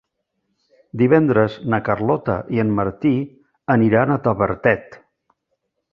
Divendres na Carlota i en Martí aniran a Tavertet.